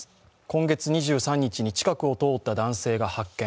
今月２３日に近くを通った男性が発見。